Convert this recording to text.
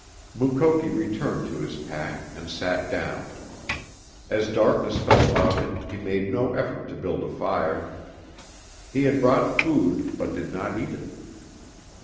Mukoki returned to his pack and sat down. As darkness fell about him he made no effort to build a fire. He had brought food, but did not eat it.